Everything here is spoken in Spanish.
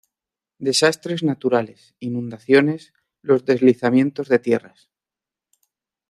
Desastres naturales: inundaciones, los deslizamientos de tierras.